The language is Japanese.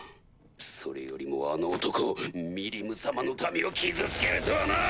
それよりもあの男ミリム様の民を傷つけるとはな！